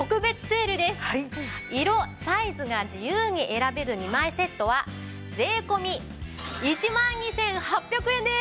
色・サイズが自由に選べる２枚セットは税込１万２８００円です！